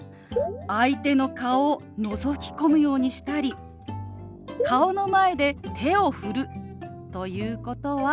相手の顔をのぞき込むようにしたり顔の前で手を振るということはマナー違反なんです。